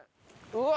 うわ！